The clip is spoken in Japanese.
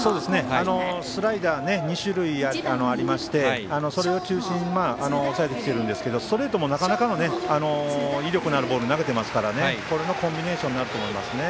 スライダーが２種類ありましてそれを中心に抑えてきているんですけどストレートもなかなかの威力のあるボールを投げてますからコンビネーションになると思いますね。